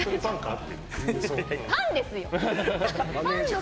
パンですよ！